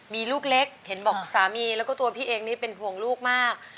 มีลูกเล็กเห็นบอกสามีแล้วก็ตัวพี่เองนี่เป็นห่วงลูกมาก